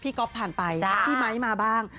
ก๊อฟผ่านไปพี่ไมค์มาบ้าง